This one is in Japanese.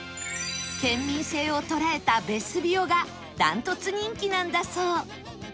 県民性を捉えたベスビオが断トツ人気なんだそう